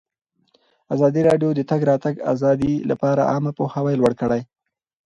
ازادي راډیو د د تګ راتګ ازادي لپاره عامه پوهاوي لوړ کړی.